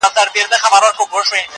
پکښي تېر مي کړل تر سلو زیات کلونه!!